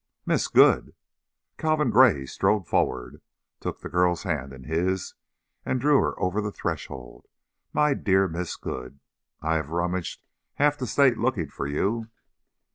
"Miss Good!" Calvin Gray strode forward, took the girl's hands in his and drew her over the threshold. "My dear Miss Good, I have rummaged half the state, looking for you."